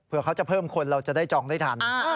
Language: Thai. เพื่อเขาจะเพิ่มคนเราจะได้จองได้ทัน